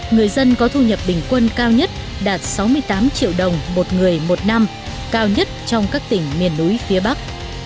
người dân có thu nhập bình quân cao nhất đạt sáu mươi tám triệu đồng một người một năm cao nhất trong các tỉnh miền núi phía bắc